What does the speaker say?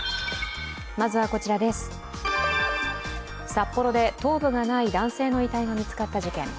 札幌で頭部がない男性の遺体が見つかった事件。